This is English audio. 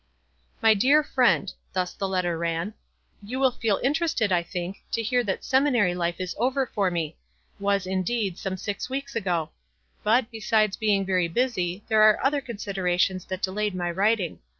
" My Dear Friend :"— thus the letter ran — "You will feel interested, I think, to hear that seminary life is over for me ; was, indeed, some six weeks ago. But, besides being very busy, there were other considerations that de layed my writing.